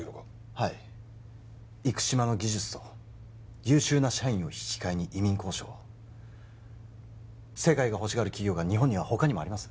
はい生島の技術と優秀な社員を引き換えに移民交渉を世界がほしがる企業が日本には他にもあります